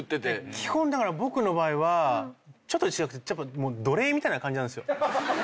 基本だから僕の場合はちょっと違くて奴隷みたいな感じなんですよ。